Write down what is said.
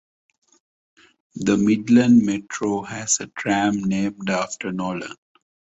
The Midland Metro has a tram named after Nolan.